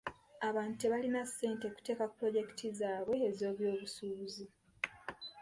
Abantu tebalina ssente kuteeka ku pulojekiti zaabwe ez'eby'obusuubuzi.